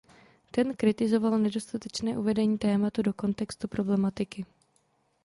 Ten kritizoval nedostatečné uvedení tématu do kontextu problematiky.